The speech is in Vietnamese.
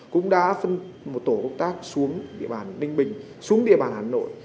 cũng đã phân một tổ công tác xuống địa bàn ninh bình xuống địa bàn hà nội